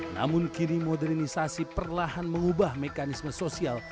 namun kini modernisasi perlahan mengubah mekanisme sosial